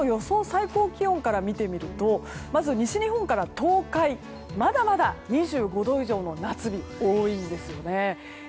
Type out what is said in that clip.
最高気温から見てみるとまず西日本から東海まだまだ２５度以上の夏日多いんですよね。